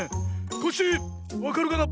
コッシーわかるかな？